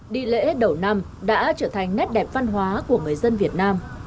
đi lễ đầu năm đã trở thành nét đẹp văn hóa của người dân việt nam